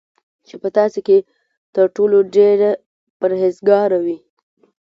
چی په تاسی کی تر ټولو ډیر پرهیزګاره وی